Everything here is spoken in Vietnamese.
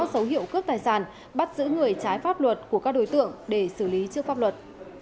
dấu hiệu cướp tài sản bắt giữ người trái pháp luật của các đối tượng để xử lý trước pháp luật